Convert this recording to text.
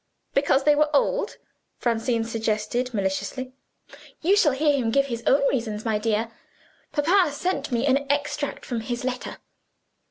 "Because they were old," Francine suggested maliciously. "You shall hear him give his own reasons, my dear. Papa sent me an extract from his letter.